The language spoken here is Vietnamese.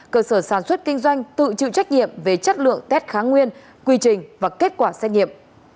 cơ sở sản xuất kinh doanh tự chịu trách nhiệm về chất lượng tết kháng nguyên quy trình và kết quả xét nghiệm